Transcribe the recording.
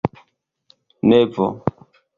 nevo